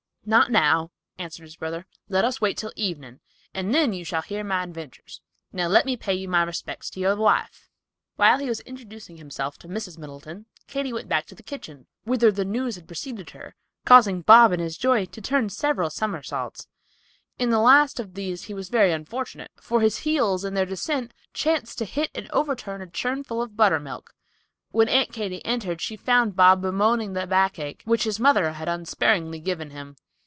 "Not now," answered his brother. "Let us wait until evening, and then you shall hear my adventures; now let me pay my respects to your wife." While he was introducing himself to Mrs. Middleton, Katy went back to the kitchen, whither the news had preceded her, causing Bob in his joy to turn several somersaults. In the last of these he was very unfortunate, for his heels, in their descent, chanced to hit and overturn a churn full of buttermilk! When Aunt Katy entered she found Bob bemoaning the backache, which his mother had unsparingly given him!